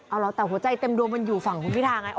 เอาเหรอแต่หัวใจเต็มดวงมันอยู่ฝั่งคุณพิธาไง